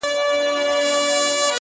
ستا د سوځلي زړه ايرو ته چي سجده وکړه ـ